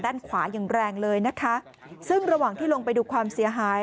ด้านขวาอย่างแรงเลยนะคะซึ่งระหว่างที่ลงไปดูความเสียหาย